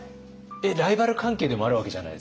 えっライバル関係でもあるわけじゃないですか。